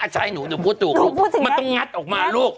ใช่หนูหนูพูดถูกลูกมันต้องงัดออกมาลูก